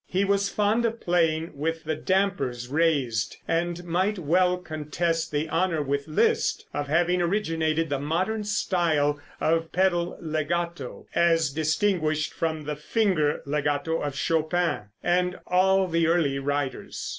He was fond of playing with the dampers raised, and might well contest the honor with Liszt of having originated the modern style of pedal legato as distinguished from the finger legato of Chopin and all the early writers.